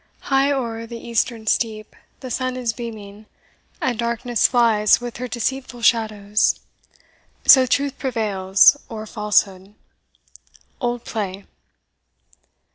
High o'er the eastern steep the sun is beaming, And darkness flies with her deceitful shadows; So truth prevails o'er falsehood. OLD PLAY.